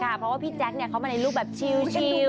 เพราะว่าพี่แจ๊คเขามาในรูปแบบชิล